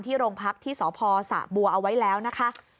โรงพักที่สพสะบัวเอาไว้แล้วนะคะ